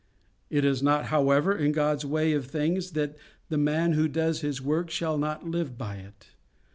It is not, however, in God's way of things that the man who does his work shall not live by it.